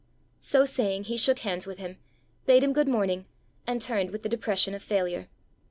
So saying he shook hands with him, bade him good morning, and turned with the depression of failure.